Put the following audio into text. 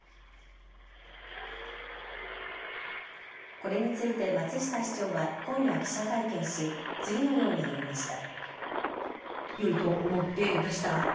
これについて松下市長は今夜、記者会見し次のように述べました。